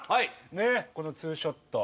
ねえこのツーショット。